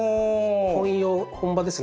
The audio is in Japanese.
本葉本葉ですね